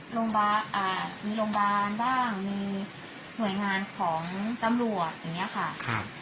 โรงบาลอ่ามีโรงบาลบ้างหน่วยงานของตำรวจอย่างเงี้ยค่ะครับ